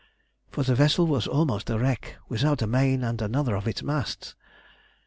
For the vessel was almost a wreck, without a main and another of its masts.